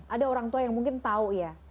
ada orang tua yang mungkin tahu ya